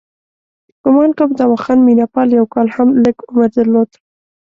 ګومان کوم دواخان مینه پال یو کال هم لږ عمر درلود.